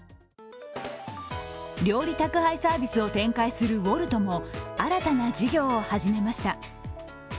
料理宅配サービスを展開するＷｏｌｔも新たな事業を始めました。